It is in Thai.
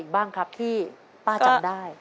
บ้างครับที่ป้าจำได้